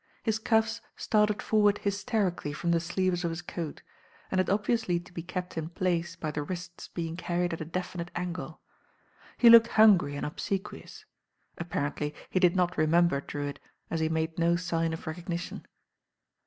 His cuffs started forward hys terically from the sleeves of his coat, and had obviously to be kept in place by the wrists being car ried at a definite angle. He looked hungry and obsequious. Apparently he did not remember Drewitt, as he made no sign of recognition.